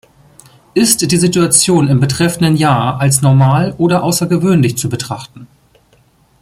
Ist die Situation im betreffenden Jahr als normal oder außergewöhnlich zu betrachten?